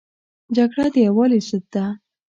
جګړه د یووالي ضد ده